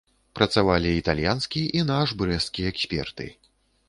Працавалі італьянскі і наш брэсцкі эксперты.